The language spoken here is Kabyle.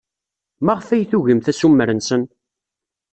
Maɣef ay tugimt assumer-nsen?